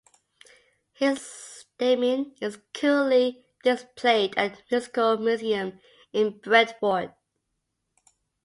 His theremin is currently displayed at the Musical Museum in Brentford.